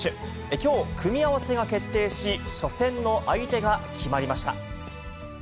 きょう、組み合わせが決定し、初戦の相手が決まりました。